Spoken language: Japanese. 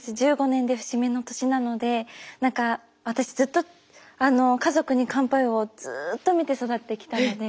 １５年で節目の年なので何か私ずっと「家族に乾杯」をずっと見て育ってきたので。